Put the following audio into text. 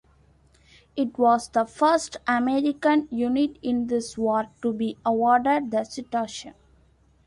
It was the first American unit in this war to be awarded the citation.